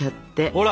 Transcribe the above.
ほら！